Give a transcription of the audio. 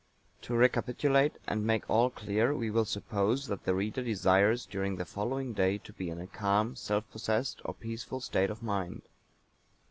To recapitulate and make all clear we will suppose that the reader desires during the following day to be in a calm, self possessed or peaceful state of mind.